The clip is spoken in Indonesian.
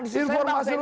di sisi serta maksa ini